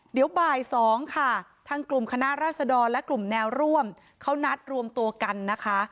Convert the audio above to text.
เดี๋ยวบ่าย๒ค่ะทางกลุ่มคณะราษดรและกลุ่มแนวร่วมเขานัดรวมตัวกันนะคะ